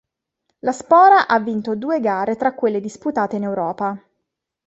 Lo Spora ha vinto due gare tra quelle disputate in Europa.